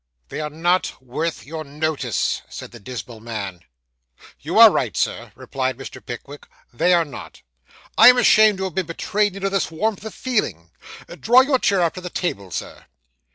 'They are not worth your notice,' said the dismal man. 'You are right, sir,' replied Mr. Pickwick, 'they are not. I am ashamed to have been betrayed into this warmth of feeling. Draw your chair up to the table, Sir.